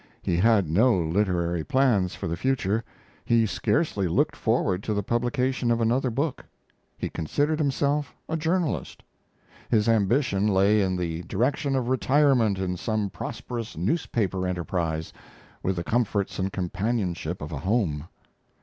He had no literary plans for the future; he scarcely looked forward to the publication of another book. He considered himself a journalist; his ambition lay in the direction of retirement in some prosperous newspaper enterprise, with the comforts and companionship of a home.